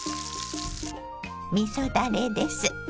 みそだれです。